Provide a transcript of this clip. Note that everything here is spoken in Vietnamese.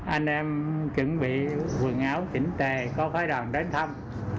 anh em chuẩn bị quần áo chỉnh tề có khói đòn đến thăm